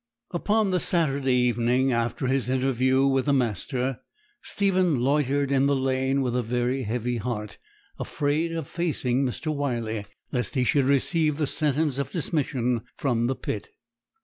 Upon the Saturday evening after his interview with the master, Stephen loitered in the lane with a very heavy heart, afraid of facing Mr. Wyley, lest he should receive the sentence of dismission from the pit.